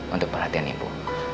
untuk perhatiannya bu